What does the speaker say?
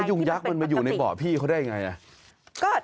มันก็ยุงยักษ์มันมาอยู่ในบ่อพี่เขาได้อย่างไร